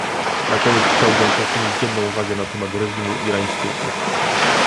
Na koniec chciałbym poczynić jedną uwagę na temat reżimu irańskiego